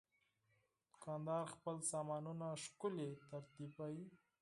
دوکاندار خپل سامانونه ښکلي ترتیبوي.